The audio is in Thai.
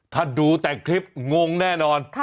ถ้าดูแต่คลิปงงแน่นอน